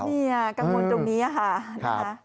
นี่กังวลตรงนี้ค่ะ